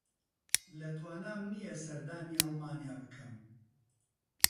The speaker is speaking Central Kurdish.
لە توانام نییە سەردانی ئەڵمانیا بکەم.